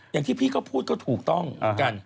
อย่างที่พี่ก็พูดก็ถูกต้องเหมือนกัน